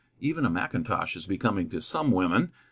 Even a mackintosh is becoming to some women.